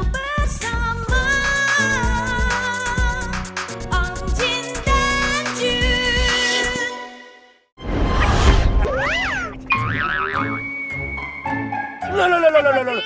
berat banget bos